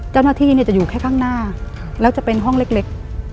เจ้าหน้าที่จะอยู่แค่ข้างหน้าแล้วจะเป็นห้องเล็ก